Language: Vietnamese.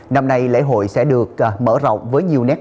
năm nay lễ hội sẽ được mở rộng với nhiều nét